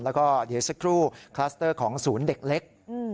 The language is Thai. และกลัสเตอร์ของศูนย์เด็กเล็ก